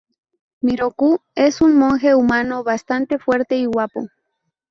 Miroku es un monje humano bastante fuerte y guapo.